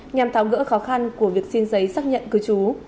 nhằm tháo gỡ khó khăn của việc xin giấy xác nhận cư trú